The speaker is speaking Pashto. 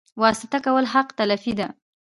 واسطه کول حق تلفي ده